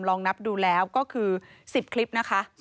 ลองนับดูแล้วก็คือ๑๐คลิปนะคะ